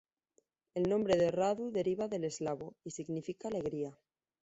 El nombre "Radu" deriva del eslavo, y significa alegría.